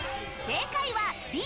正解はＢ！